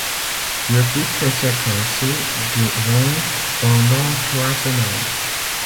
Le titre s'est classé des ventes pendant trois semaines.